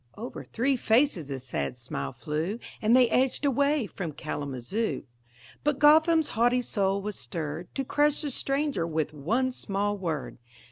Over three faces a sad smile flew, And they edged away from Kalamazoo. But Gotham's haughty soul was stirred To crush the stranger with one small word.